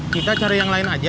kita cari yang lain aja